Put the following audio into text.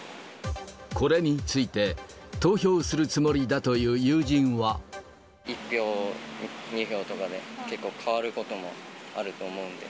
これについて、投票するつも１票、２票とかで結構変わることもあると思うんで。